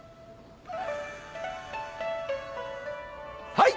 はい！